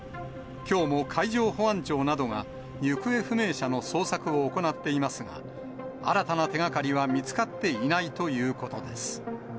きょうも海上保安庁などが、行方不明者の捜索を行っていますが、新たな手がかりは見つかって